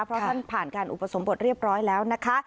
เพราะท่านผ่านการอุปสมบทเรียบร้อยแล้วนะคะ